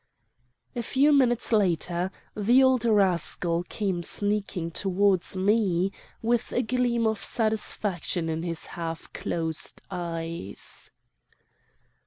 "A few minutes later, the old rascal came sneaking towards me, with a gleam of satisfaction in his half closed eyes.